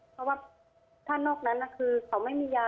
เพราะว่าถ้านอกนั้นคือเขาไม่มียา